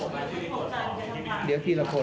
เดี๋ยวสิเดี๋ยวช่วยก่อน